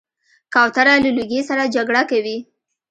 کوتره له لوږې سره جګړه کوي.